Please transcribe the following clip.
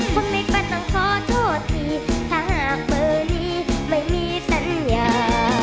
คนเล็กก็ต้องขอโทษทีถ้าหากเบอร์นี้ไม่มีสัญญา